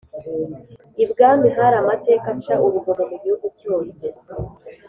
-ibwami hari amateka aca urugomo mu gihugu cyose.